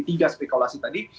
tiga spekulasi tadi